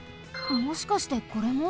もしかしてこれも？